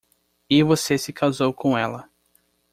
E você se casou com ela.